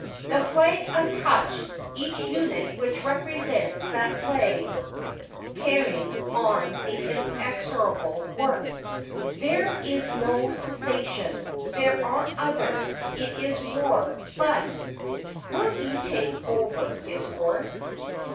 The flag untouched, each unit which represents that flag carrying on the inexorable work. There is no cessation ; there are others ; it is war, but —" Will you take over his horse